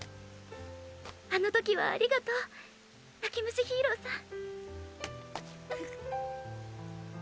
あの時はありがとう泣き虫ヒーローさん。